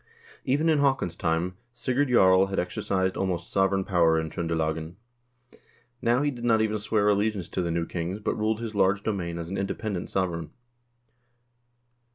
Even in Haakon's time, Sigurd Jarl had exercised almost sovereign power in Tr0ndelagen. Now he did not even swear allegiance to the new kings, but ruled his large domain as an inde pendent sovereign.